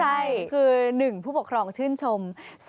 ใช่คือ๑ผู้ปกครองชื่นชม